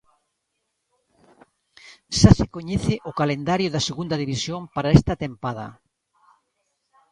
Xa se coñece o calendario da Segunda División para esta tempada.